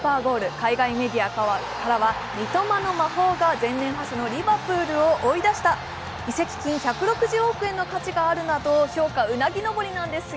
海外メディアからは、三笘の魔法が前年覇者のリヴァプールを追い出した、移籍金１６０億円の価値があるなど評価がうなぎ登りなんです。